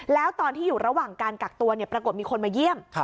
แล้วตอนที่อยู่ระหว่างการกักตัวปรากฏมีคนมาเยี่ยม